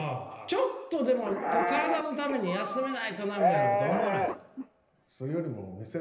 ちょっとでも体のために休めないとなみたいなこと思わないんですか？